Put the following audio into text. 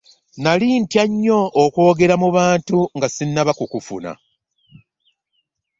Nali ntya nnyo okwogera mu bantu nga sinaba kukufuna.